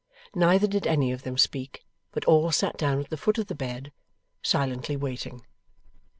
Neither did any of them speak, but all sat down at the foot of the bed, silently waiting.